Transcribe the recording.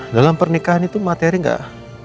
dalam pernikahan itu materi enggak